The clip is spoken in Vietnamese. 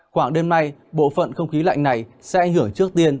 khoảng đêm nay bộ phận không khí lạnh này sẽ ảnh hưởng trước tiên